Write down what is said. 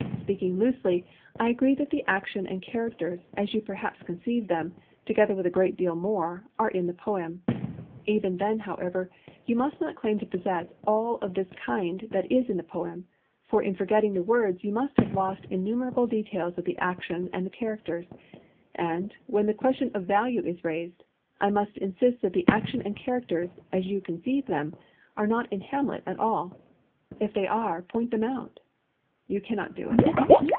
Speaking loosely, I agree that the action and characters, as you perhaps conceive them, together with a great deal more, are in the poem. Even then, however, you must not claim to possess all of this kind that is in the poem; for in forgetting the words you must have lost innumerable details of the action and the characters. And, when the question of[Pg 22] value is raised, I must insist that the action and characters, as you conceive them, are not in Hamlet at all. If they are, point them out. You cannot do it.